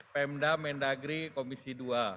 pemda mendagri komisi dua